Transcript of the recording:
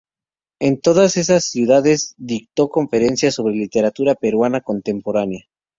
En todas esas ciudades dictó conferencias sobre literatura peruana contemporánea.